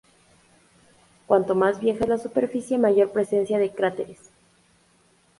Cuanto más vieja es la superficie, mayor presencia de cráteres.